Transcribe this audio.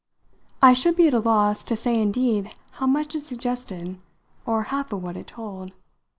I should be at a loss to say indeed how much it suggested or half of what it told.